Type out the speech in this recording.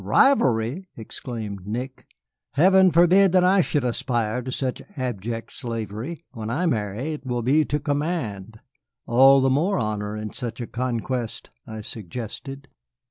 "Rivalry!" exclaimed Nick. "Heaven forbid that I should aspire to such abject slavery. When I marry, it will be to command." "All the more honor in such a conquest," I suggested.